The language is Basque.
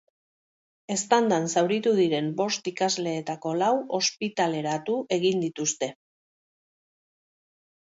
Eztandan zauritu diren bost ikasleetako lau ospitaleratu egin dituzte.